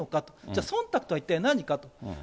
じゃあ、そんたくとは一体何かと。